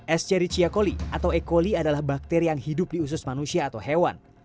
es cericia coli atau e coli adalah bakteri yang hidup di usus manusia atau hewan